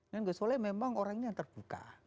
dan gusole memang orangnya yang terbuka